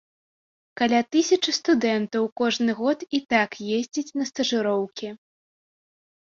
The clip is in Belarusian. Каля тысячы студэнтаў кожны год і так ездзіць на стажыроўкі.